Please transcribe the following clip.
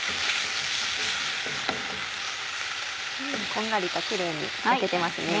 こんがりとキレイに焼けてますね。